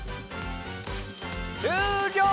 しゅうりょう！